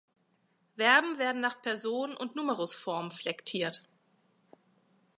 Verben werden nach Person und Numerusformen flektiert.